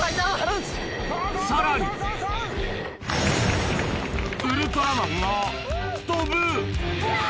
さらにウルトラマンが跳ぶ！